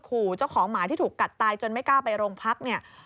ขู่เจ้าของหมาที่ถูกกัดตายจนไม่กล้าไปโรงพักเนี่ย